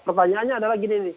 pertanyaannya adalah gini